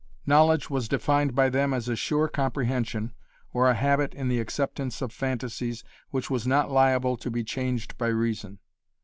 Knowledge was defined by them as a sure comprehension or a habit in the acceptance of phantasies which was not liable to be changed by reason.